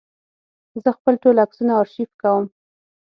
زه خپل ټول عکسونه آرشیف کوم.